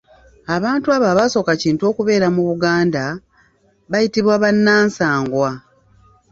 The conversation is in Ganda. Abantu abo abaasooka Kintu okubeera mu Buganda, bayitibwa bannansangwa.